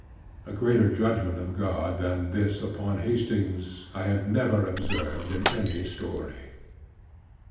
A greater judgment of God than this upon Hastings, I have never observed in any story.